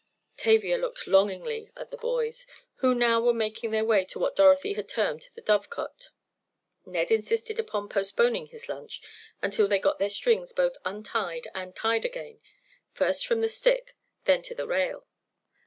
Tavia looked longingly at the boys, who now were making their way to what Dorothy had termed the Dove Cote. Ned insisted upon postponing his lunch until they got their strings both untied and tied again—first from the stick then to the rail.